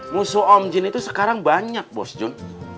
musuh om jin itu sekarang banyak bos jun